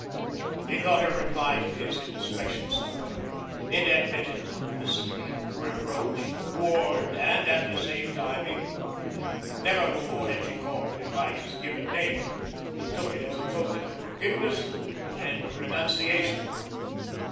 He thought her reply to his indiscretion superb. It admitted complicity, reproached, warned, and at the same time ignored. Never before had she called him by his given name. He took it as a token of forgiveness and renunciation.